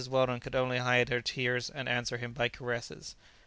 Weldon could only hide her tears and answer him by caresses.